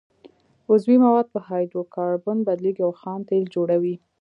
عضوي مواد په هایدرو کاربن بدلیږي او خام تیل جوړوي